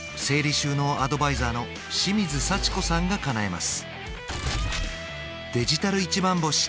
収納アドバイザーの清水幸子さんがかなえます